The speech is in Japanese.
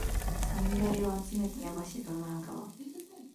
五月雨をあつめてやばしドナウ川